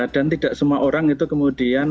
dan tidak semua orang itu kemudian